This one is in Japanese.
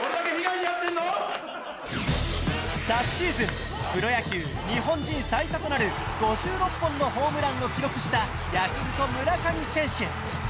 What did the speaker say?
昨シーズンプロ野球日本人最多となる５６本のホームランを記録したヤクルト・村上選手